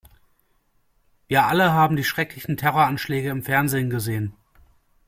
Wir alle haben die schrecklichen Terroranschläge im Fernsehen gesehen.